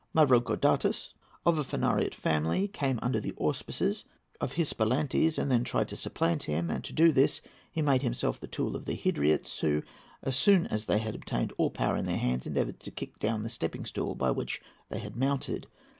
MAVROCORDATOS.—Of a Phanariot family; came forward under the auspices of Hypsilantes, and then tried to supplant him; and to do this he made himself the tool of the Hydriots, who, as soon as they had obtained all power in their hands, endeavoured to kick down the stepping stool by which they had mounted.